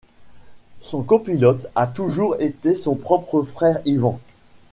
Son copilote a toujours été son propre frère, Yvan.